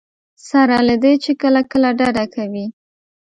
سره له دې چې کله کله ډډه کوي.